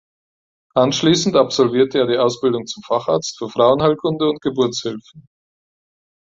Anschließend absolvierte er die Ausbildung zum Facharzt für Frauenheilkunde und Geburtshilfe.